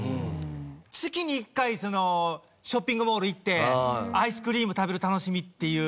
月に１回ショッピングモール行ってアイスクリーム食べる楽しみっていう。